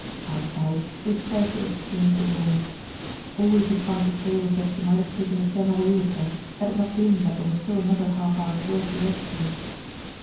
Outside, they scarcely exchanged a word. All he could find to say was that she might have taken Etienne away with her, had it not been that there was still another half hour's work to get through.